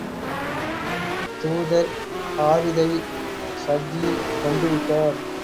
தூதர் ஹாரிதை, ஷர்ஜீல் கொன்று விட்டார்.